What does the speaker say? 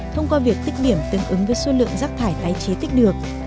thông qua việc tích điểm tương ứng với số lượng rác thải tái chế tích được